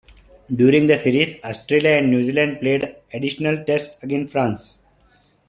During the series, Australia and New Zealand played additional Tests against France.